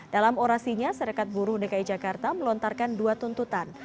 dalam orasinya serikat buruh dki jakarta melontarkan dua tuntutan